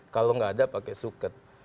kalau nggak ada pakai suket